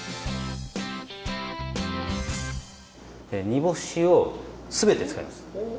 煮干しを全て使います。